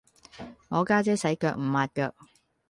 我家姐洗腳唔抹腳